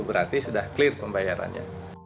berarti sudah clear pembayarannya